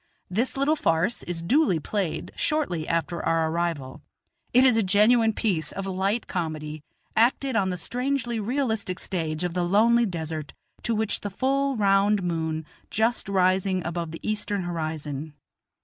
This little farce is duly played shortly after our arrival; it is a genuine piece of light comedy, acted on the strangely realistic stage of the lonely desert, to which the full round moon just rising above the eastern horizon.